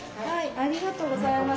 ありがとうございます。